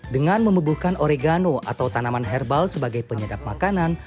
dengan membubuhkan oregano atau tanaman herbal sebagai penyedap makanan